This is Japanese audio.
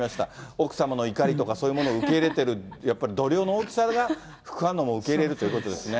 奥様の怒りとか、そういうものを受け入れてる、やっぱり度量の大きさが、副反応も受け入れるということですね。